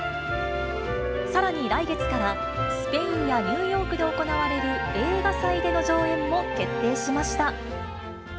さらに来月から、スペインやニューヨークで行われる映画祭での上演も決定しました。